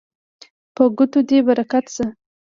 په ګوتو دې برکت شه